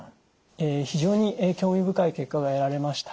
非常に興味深い結果が得られました。